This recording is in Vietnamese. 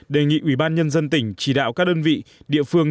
đề nghị ủy ban nhân dân tỉnh chỉ đạo các đơn vị địa phương